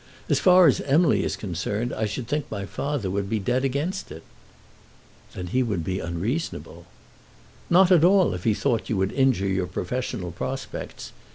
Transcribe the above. As far as Emily is concerned, I should think my father would be dead against it." "Then he would be unreasonable." "Not at all, if he thought you would injure your professional prospects.